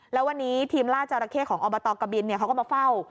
แล้ววันนี้ทีมล่าจราเข้ของอบตกบินเขาก็มาเฝ้า